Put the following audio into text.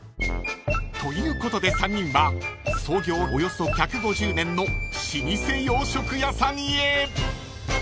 ［ということで３人は創業およそ１５０年の老舗洋食屋さんへ］